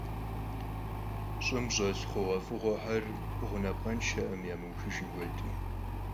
Ş'ım ş'elh xhuğuef'ığuexer ğunapkhenşşekhım, yamıuxıjjın xuedeu.